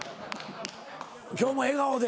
今日も笑顔で。